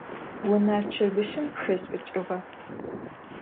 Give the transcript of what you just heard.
Vuner çırbışım xeş'ıç'ığa?